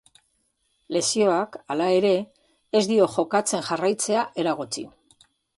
Lesioak, hala ere, ez dio jokatzen jarraitzea eragotzi.